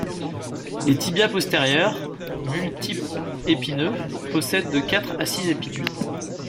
Les tibias postérieurs, multi-épineux, possèdent de quatre à six épines.